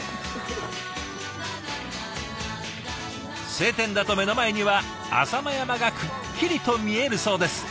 晴天だと目の前には浅間山がくっきりと見えるそうです。